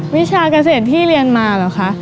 วิชาเกษตรที่เรียนมาเหรอคะ